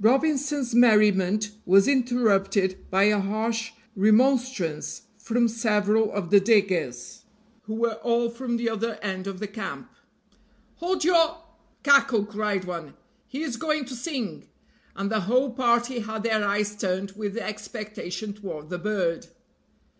Robinson's merriment was interrupted by a harsh remonstrance from several of the diggers, who were all from the other end of the camp. "Hold your cackle," cried one, "he is going to sing;" and the whole party had their eyes turned with expectation toward the bird.